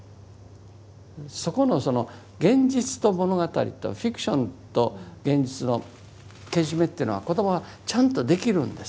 そこのその現実と物語とフィクションと現実のけじめというのは子どもはちゃんとできるんです。